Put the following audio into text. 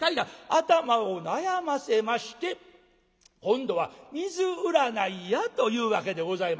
頭を悩ませまして今度は「水占いや」というわけでございます。